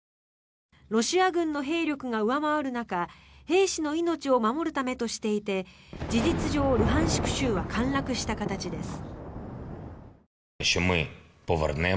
ロシア軍の兵力が上回る中兵士の命を守るためとしていて事実上、ルハンシク州は陥落した形です。